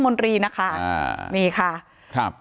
นี่ค่ะ